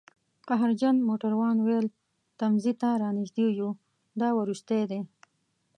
قهرجن موټروان وویل: تمځي ته رانژدي یوو، دا وروستی دی